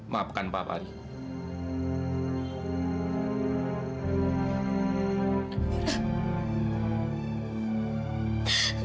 maafkan papa riri